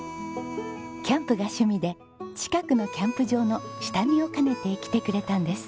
キャンプが趣味で近くのキャンプ場の下見を兼ねて来てくれたんです。